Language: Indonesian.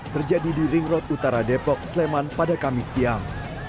terjadi di ring road utara depok sleman pada kamis siang